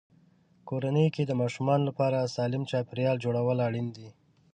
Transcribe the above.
کورنۍ کې د ماشومانو لپاره سالم چاپېریال جوړول اړین دي.